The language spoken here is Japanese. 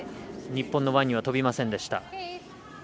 日本のワンにはとびませんでした。